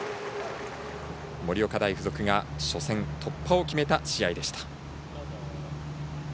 盛岡大付属が初戦突破を決めた試合でした。